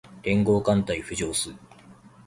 連合艦隊浮上す